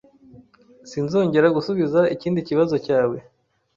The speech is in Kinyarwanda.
Sinzongera gusubiza ikindi kibazo cyawe.